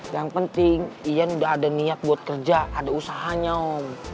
yang penting iya udah ada niat buat kerja ada usahanya om